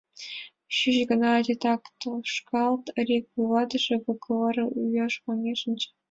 Чуч гына титак тошкалат — РИК вуйлатыше выговорым пуаш ваҥен шинча.